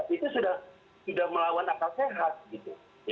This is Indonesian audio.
itu sudah tidak melawan akal sehat